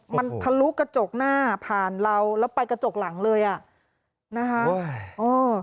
มันทะลุกระจกหน้าผ่านเราแล้วไปกระจกหลังเลยอ่ะนะคะเออ